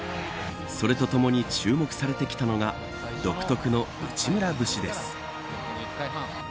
それとともに注目されてきたのが、独特の内村節です。